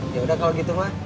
ya udah kalau gitu mah